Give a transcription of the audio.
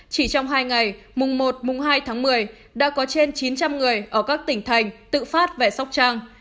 chỉ trong hai ngày mùng một mùng hai tháng một mươi đã có trên chín trăm linh người ở các tỉnh thành tự phát về sóc trăng